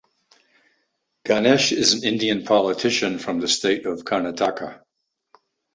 Ganesh is an Indian politician from the state of Karnataka.